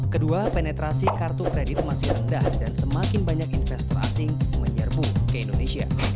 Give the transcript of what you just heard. kedua penetrasi kartu kredit masih rendah dan semakin banyak investor asing menyerbu ke indonesia